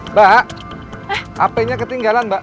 mbak ap nya ketinggalan mbak